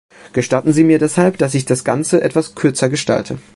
Gestatten Sie mir deshalb, dass ich das Ganze etwas kürzer gestalte.